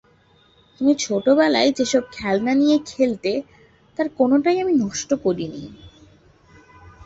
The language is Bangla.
তুমি ছোটবেলায় যে সব খেলনা নিয়ে খেলতে তার কোনােটাই আমরা নষ্ট করিনি।